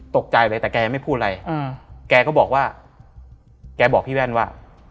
ตกใจเลยแต่แกไม่พูดอะไรแกก็บอกว่าแกบอกพี่แว่นว่า